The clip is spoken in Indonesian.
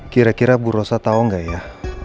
kira kira bu rosa tau gak ya